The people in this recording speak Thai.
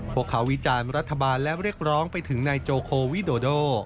พวกเขาวิจารณ์รัฐบาลและเรียกร้องไปถึงนายโจโควิโดโด